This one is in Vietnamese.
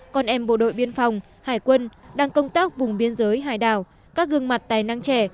con em bộ đội biên phòng hải quân đang công tác vùng biên giới hải đảo các gương mặt tài năng trẻ